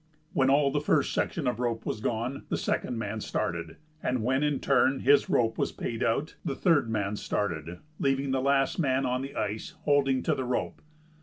When all the first section of rope was gone, the second man started, and when, in turn, his rope was paid out, the third man started, leaving the last man on the ice holding to the rope.